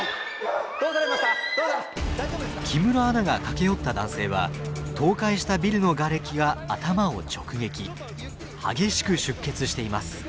木村アナが駆け寄った男性は倒壊したビルのがれきが頭を直撃激しく出血しています。